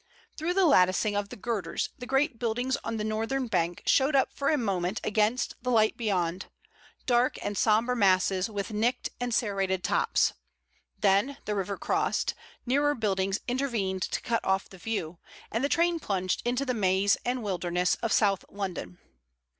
Through the latticing of the girders the great buildings on the northern bank showed up for a moment against the light beyond, dark and somber masses with nicked and serrated tops, then, the river crossed, nearer buildings intervened to cut off the view, and the train plunged into the maze and wilderness of South London.